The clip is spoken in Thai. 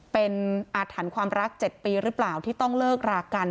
เป็นอาถรรพ์ความรัก๗ปีหรือเปล่าที่ต้องเลิกรากัน